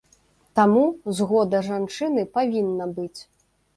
Таму, згода жанчыны павінна быць.